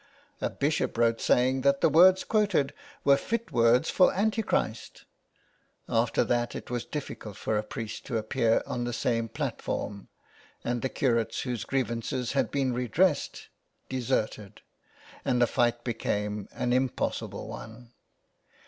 A bishop wrote saying that the words quoted were fit words for Anti Christ. After that it was difficult for a priest to appear on the same platform and the curates whose grievances had been redressed deserted, and the fight became an impossible one.